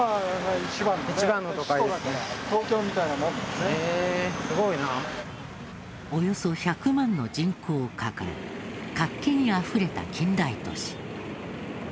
まずはここおよそ１００万の人口を抱え活気にあふれた近代都市。